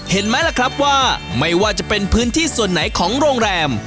เห็นไหมล่ะครับว่าไม่ว่าจะเป็นพื้นที่ส่วนไหนของโรงแรม